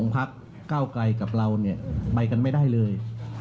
ไปกันไม่ได้เลย